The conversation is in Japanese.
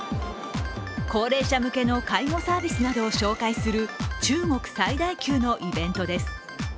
高齢者向けの介護サービスなどを紹介する中国最大級のイベントです。